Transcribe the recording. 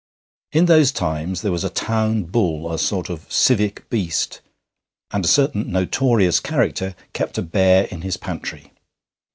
In those times there was a town bull, a sort of civic beast; and a certain notorious character kept a bear in his pantry.